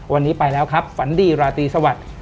วันนี้ไปแล้วครับฝันดีราตรีสวัสดิ์